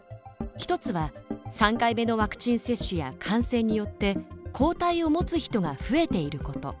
一つは３回目のワクチン接種や感染によって抗体を持つ人が増えていること。